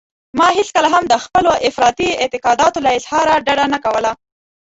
ما هېڅکله هم د خپلو افراطي اعتقاداتو له اظهاره ډډه نه کوله.